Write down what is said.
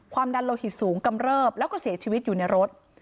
ดันโลหิตสูงกำเริบแล้วก็เสียชีวิตอยู่ในรถ